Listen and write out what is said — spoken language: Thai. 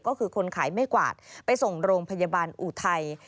ก็คือคนขายไม่กวาดไปส่งโรงพยาบาลอุทัย